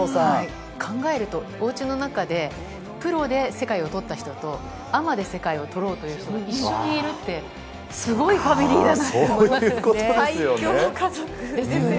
考えるとおうちの中で、プロで世界を取った人とアマで世界を取ろうという人が一緒にいるってすごいファミリーだなと思いますね。